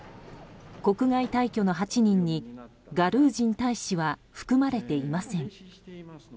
国外退去の８人にガルージン大使は含まれていません。